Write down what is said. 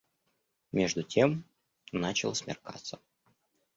Между тем начало смеркаться.